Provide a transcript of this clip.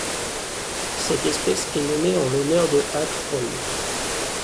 Cette espèce est nommée en l'honneur de Åke Holm.